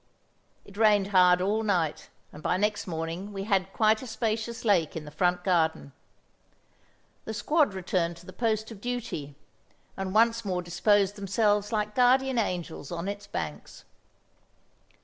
It rained hard all night, and by next morning we had quite a spacious lake in the front garden. The squad returned to the post of duty, and once more disposed themselves like guardian angels on its banks.